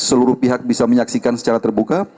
seluruh pihak bisa menyaksikan secara terbuka